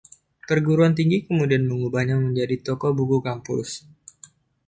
Perguruan tinggi kemudian mengubahnya menjadi Toko Buku Kampus.